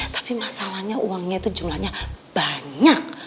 tapi masalahnya uangnya itu jumlahnya banyak